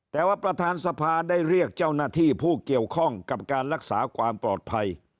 แต่ว่าประธานสภาได้เรียกเจ้าหน้าที่ผู้เกี่ยวข้องกับการรักษาความปลอดภัย